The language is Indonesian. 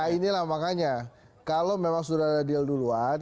nah inilah makanya kalau memang sudah ada deal duluan